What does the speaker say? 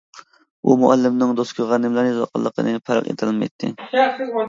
ئۇ مۇئەللىمنىڭ دوسكىغا نېمىلەرنى يېزىۋاتقانلىقىنى پەرق ئېتەلمەيتتى.